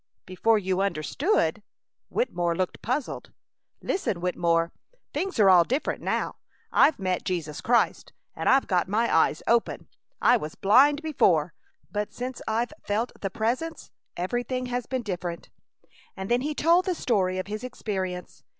"Before you understood?" Wittemore looked puzzled. "Listen, Wittemore. Things are all different now. I've met Jesus Christ and I've got my eyes open. I was blind before, but since I've felt the Presence everything has been different." And then he told the story of his experience.